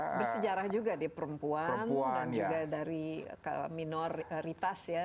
ini bersejarah juga dia perempuan dan juga dari minoritas ya